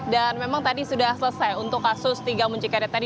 dan memang tadi sudah selesai untuk kasus tiga muncikari tadi